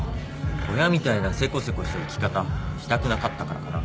親みたいなせこせこした生き方したくなかったからかな。